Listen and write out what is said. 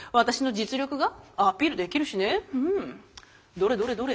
どれどれどれ？